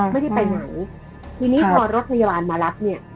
ไม่ได้ไปไหนทีนี้พอรถพยาบาลมารับเนี่ย